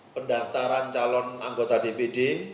pendaftaran calon anggota dpd